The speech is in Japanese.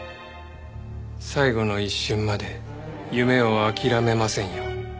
最後の一瞬まで夢を諦めませんよ。